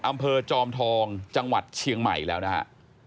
อำเภอจอมทองจังหวัดเชียงใหม่แล้วนะฮะ